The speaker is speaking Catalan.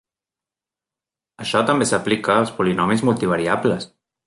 Això també s'aplica als polinomis multivariables.